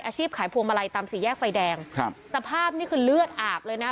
อาชีพขายพวงมาลัยตามสี่แยกไฟแดงครับสภาพนี่คือเลือดอาบเลยนะ